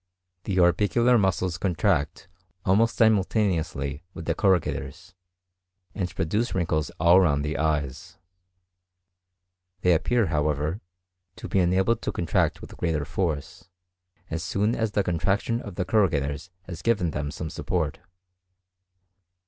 The orbicular muscles contract almost simultaneously with the corrugators, and produce wrinkles all round the eyes; they appear, however, to be enabled to contract with greater force, as soon as the contraction of the corrugators has given them some support.